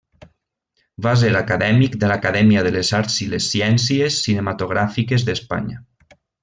Va ser acadèmic de l'Acadèmia de les Arts i les Ciències Cinematogràfiques d'Espanya.